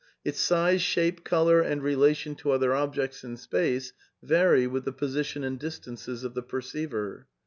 Its size, shape, colour, and relation to other objects in space vary with the position and distances of the perceiver.